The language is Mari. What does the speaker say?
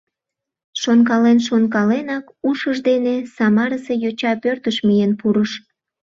Шонкален-шонкаленак, ушыж дене Самарысе йоча пӧртыш миен пурыш.